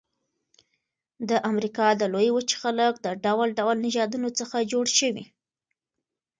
د امریکا د لویې وچې خلک د ډول ډول نژادونو څخه جوړ شوي.